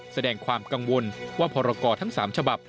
แสดงความกังวลว่าพรกรทั้ง๓ฉบับ